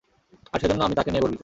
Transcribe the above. আর সেজন্য আমি তাকে নিয়ে গর্বিত।